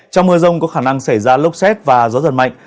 trong mưa rông có khả năng xảy ra lốc xét và gió giật mạnh